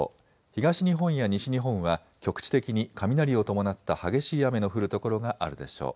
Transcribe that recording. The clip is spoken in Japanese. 東日本や西日本は局地的に雷を伴った激しい雨の降る所があるでしょう。